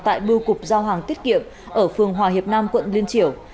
tại bưu cục giao hàng tiết kiệm ở phường hòa hiệp nam quận liên triểu